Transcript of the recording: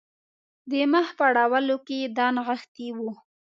د مخ په اړولو کې یې دا نغښتي وو.